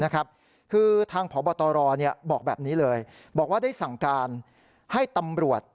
คือทางพบตรบอกแบบนี้เลยบอกว่าได้สั่งการให้ตำรวจ